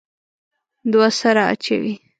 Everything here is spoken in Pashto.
دوه سره اچوي.